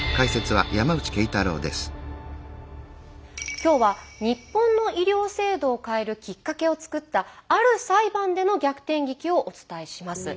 今日は日本の医療制度を変えるきっかけを作ったある裁判での逆転劇をお伝えします。